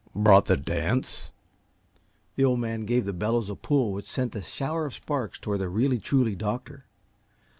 "Brought the dance?" The Old Man gave the bellows a pull which sent a shower of sparks toward the really, truly doctor.